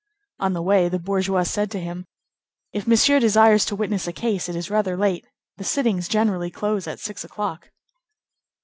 On the way, the bourgeois said to him:— "If Monsieur desires to witness a case, it is rather late. The sittings generally close at six o'clock."